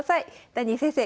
ダニー先生